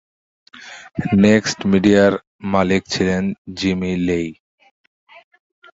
Next মিডিয়ার মালিক ছিলেন জিমি লেই।